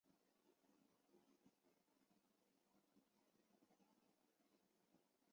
屈维耶。